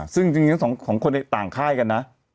ซึ่งจริงของคนในต่างค่ายกันนะ